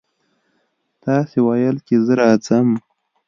تاسې ویل چې زه راځم.